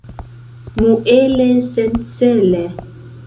Muele sencele.